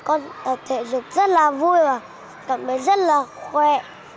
con tập thể dục rất là vui và cảm thấy rất là khỏe